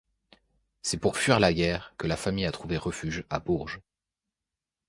C'est pour fuir la guerre que la famille a trouvé refuge à Bourges.